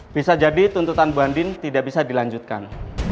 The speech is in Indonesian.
bisa jadi tuntutan bu andin tidak bisa dilanjutkan